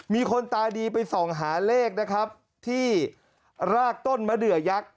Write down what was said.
มีคนตาดีไปส่องหาเลขนะครับที่รากต้นมะเดือยักษ์